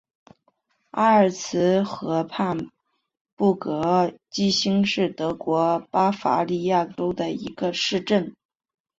阿尔茨河畔布格基兴是德国巴伐利亚州的一个市镇。